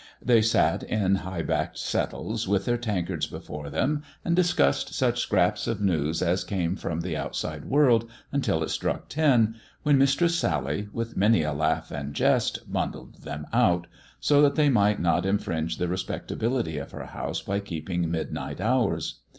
They sat in high backed settles, with their tankards before them, and discussed such scraps of news as came from the outside world until it struck ten, when Mistress Sally, with many a laugh and jest, bundled them out, so that they might not infringe the respectability of her house by keeping mid night hours.